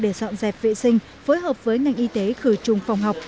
để dọn dẹp vệ sinh phối hợp với ngành y tế khử trùng phòng học